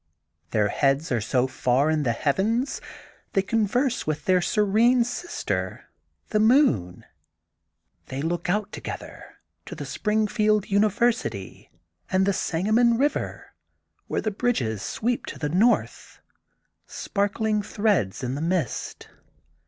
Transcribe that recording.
Their heads are so far in the heavens they converse with their serene sister the moon. They look out together to the Springfield University and the Sangamon Eiver where the bridges sweep to the north, sparkling threads in the mist.